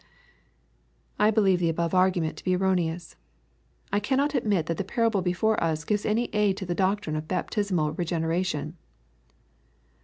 I believe the above argument to be erroneous. I cannot admit that the parable before us gives any aid to the doctrine of baptis mal regeneration.